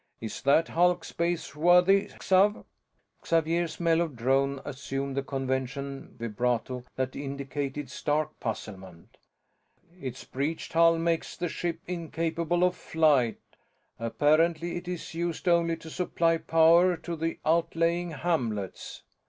Is that hulk spaceworthy, Xav?" Xavier's mellow drone assumed the convention vibrato that indicated stark puzzlement. "Its breached hull makes the ship incapable of flight. Apparently it is used only to supply power to the outlying hamlets."